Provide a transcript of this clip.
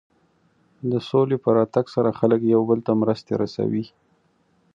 د سولې په راتګ سره خلک یو بل ته مرستې رسوي.